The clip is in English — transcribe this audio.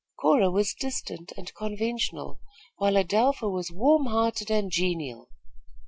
Cora was distant and conventional, while Adelpha was warm hearted and genial.